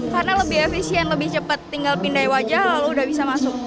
karena lebih efisien lebih cepat tinggal pindai wajah lalu udah bisa masuk